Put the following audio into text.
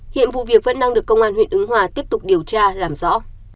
hiện vụ việc vẫn đang được công an huyện ứng hòa tiếp tục điều tra làm rõ